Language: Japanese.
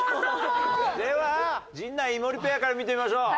では陣内・井森ペアから見てみましょう。